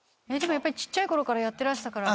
やっぱりちっちゃい頃からやってらしたからこう」